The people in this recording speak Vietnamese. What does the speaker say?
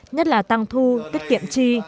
nhất là tăng thu tiết kiệm chi